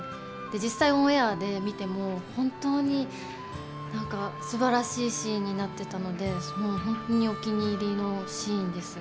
実際オンエアで見ても本当にすばらしいシーンになってたので本当にお気に入りのシーンです。